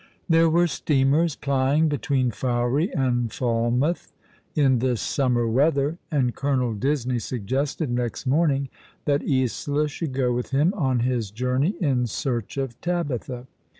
There were steamers plying between Fowey and Falmouth in this summer weather, and Colonel Disney suggested next morning that Isola should go with him on his journey in search of Tabitha.